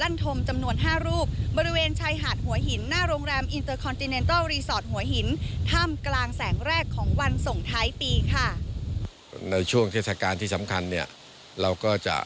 ในช่วงเทศกาลที่สำคัญเนี่ยเราก็จะ